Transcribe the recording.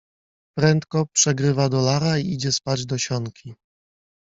Prędko przegrywa dolara i idzie spać do sionki.